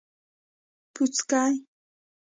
🍄🟫 پوڅکي